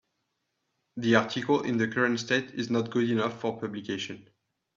The article in the current state is not good enough for publication.